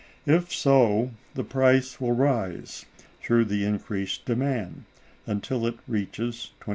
If so, the price will rise, through the increased demand, until it reaches 25_s.